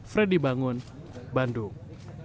freddy bangun bandung